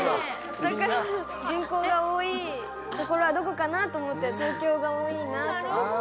だから人口が多いところはどこかな？と思って東京が多いなと思って。